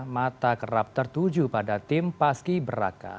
mata kerap tertuju pada tim paski beraka